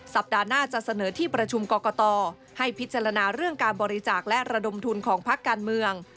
สัปดาห์หน้าจะเสนอที่ประชุมกรกตให้พิจารณาเรื่องการบริจาคและระดมทุนของพักการเมือง